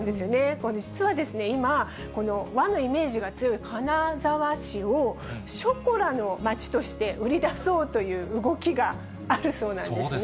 これ、実は今、この和のイメージが強い金沢市を、ショコラの街として売り出そうという動きがあるそうなんですね。